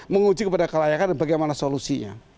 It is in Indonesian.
menguji kepada kelayakan dan bagaimana solusinya